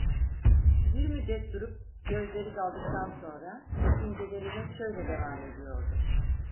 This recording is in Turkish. Bir müddet durup gözleri daldıktan sonra düşüncelerine şöyle devam ediyordu: